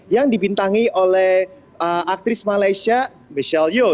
yang dipintangi oleh aktris malaysia michelle yeoh